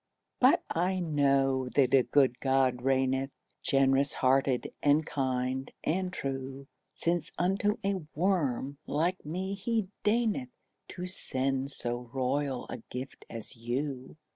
But I know that a good God reigneth, Generous hearted and kind and true; Since unto a worm like me he deigneth To send so royal a gift as you.